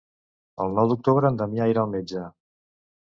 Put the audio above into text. El nou d'octubre en Damià irà al metge.